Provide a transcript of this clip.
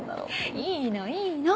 いいのいいの。